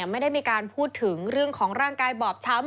ไม่ได้มีการพูดถึงเรื่องของร่างกายบอบช้ำ